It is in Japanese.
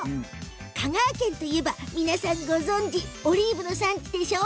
香川県といえば、皆さんご存じオリーブの産地でしょう